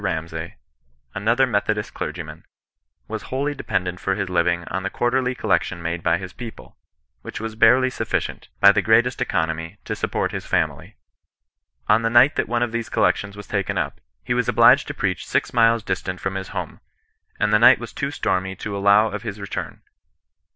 Ramsay, another Methodist clergyman, was wholly dependent for his living on the quarterly collection made by his people, which was barely suffi cient, by the greatest economy, to support his family. On the night that one of these collections was taken up, he was obliged to preach six miles distant from his home, and the night was too stormy to allow of his re turn.